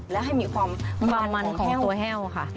และให้มีความมันของตัวแห้วค่ะ